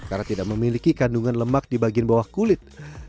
karena tidak memiliki kandungan lemak di bagian bawah kulit